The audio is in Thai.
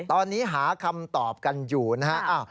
ตอนนี้หาคำตอบกันอยู่นะฮะ